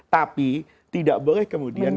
tapi tidak boleh kemudian